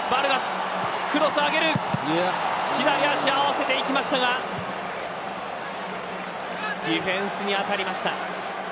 左足合わせていきましたがディフェンスに当たりました。